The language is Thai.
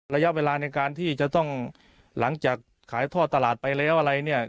ระยะเวลาในการที่จะต้องหลังจากขายท่อตลาดไปแล้วอะไรเนี่ย